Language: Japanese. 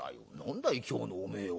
何だい今日のお前は。